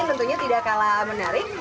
tentunya tidak kalah menarik